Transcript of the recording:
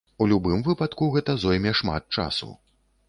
У любым выпадку, гэта зойме шмат часу.